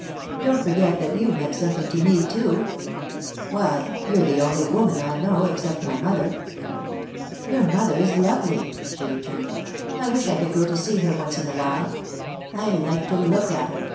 Don't forget that you've meant something to me, too. Why, you're the only woman I know, except my mother." "Your mother is lovely," she returned. "I wish I could go to see her once in a while. I like to look at her.